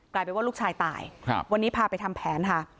กลายเป็นว่าลูกชายตายครับวันนี้พาไปทำแผนค่ะ